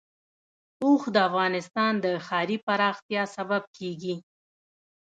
اوښ د افغانستان د ښاري پراختیا سبب کېږي.